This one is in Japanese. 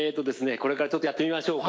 これからちょっとやってみましょうか。